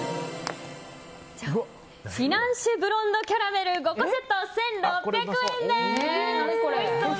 フィナンシェブロンドキャラメル５個セット１６００円です。